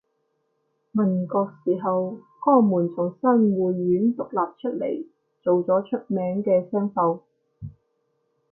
民國時候江門從新會縣獨立出嚟做咗出名嘅商埠